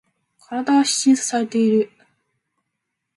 体は必死に支えている。